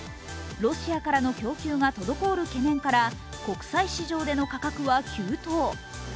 ロシアからの供給が滞る懸念から国際市場での価格は急騰。